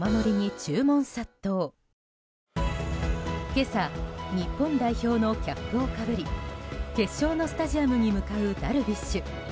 今朝日本代表のキャップをかぶり決勝のスタジアムに向かうダルビッシュ。